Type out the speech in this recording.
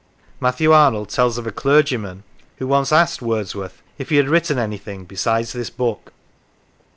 Matthew Arnold tells of a clergyman who once asked Wordsworth if he had written anything besides this book